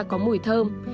có mùi thơm